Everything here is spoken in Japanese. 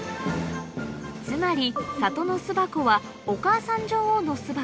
つまり里の巣箱はお母さん女王の巣箱